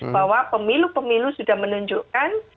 bahwa pemilu pemilu sudah menunjukkan